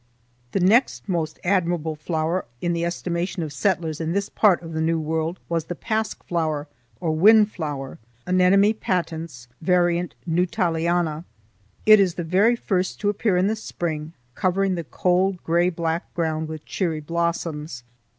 The next most admirable flower in the estimation of settlers in this part of the new world was the pasque flower or wind flower (Anemone patens var. Nuttalliana). It is the very first to appear in the spring, covering the cold gray black ground with cheery blossoms.